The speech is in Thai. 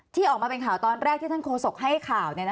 ที่ออกมาเป็นข่าวตอนแรกที่ท่านโฆษกให้ข่าว